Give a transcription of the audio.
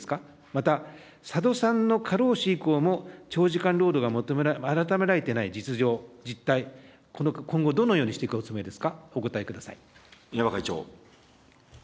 また、佐戸さんの過労死以降も長時間労働が改められていない実情、実態、今後どのようにしていくおつもりですか、稲葉会長。